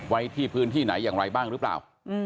ไว้ที่พื้นที่ไหนอย่างไรบ้างหรือเปล่า